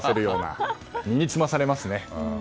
身につまされますね。